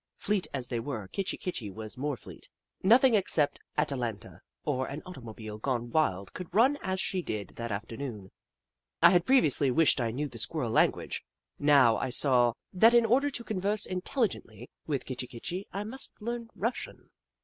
Fleet as they were, Kitchi Kitchi was more fleet. Nothing except Ata lanta or an automobile gone wild could run as she did that afternoon, I had previously wished I knew the Squirrel language, and now 98 The Book of Clever Beasts I saw that in order to converse intelHgently with Kitchi Kitchi, I must learn Russian.